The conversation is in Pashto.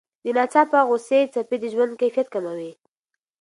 د ناڅاپه غوسې څپې د ژوند کیفیت کموي.